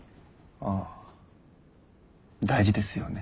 ああ大事ですよね。